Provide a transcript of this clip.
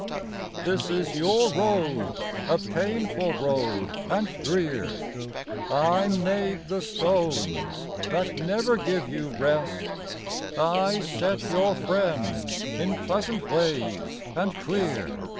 This is your road â a painful road and drear. I made the stones â that never give you rest; I set your friend in pleasant ways and clear.